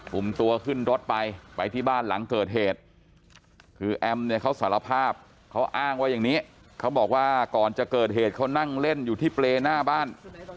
กลุ่มตัวขึ้นรถไปไปที่บ้านหลังเกิดเหตุคือแอมเนี่ยเขาสารภาพเขาอ้างว่าอย่างนี้เขาบอกว่าก่อนจะเกิดเหตุเขานั่งเล่นอยู่ที่เปรย์หน้าบ้าน